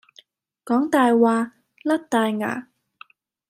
講大話，甩大牙